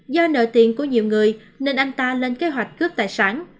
do nợ tiền của nhiều người nên anh ta lên kế hoạch cướp tài sản